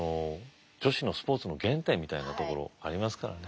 女子のスポーツの原点みたいなところありますからね。